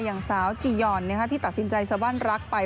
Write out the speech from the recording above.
อย่างสาวจียอนที่ตัดสินใจสบั้นรักไป